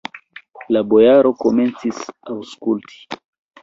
La bojaro komencis aŭskulti.